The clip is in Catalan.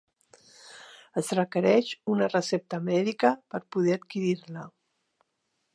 Es requereix una recepta mèdica per poder adquirir-la.